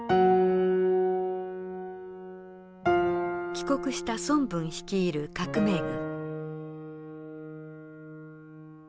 帰国した孫文率いる革命軍。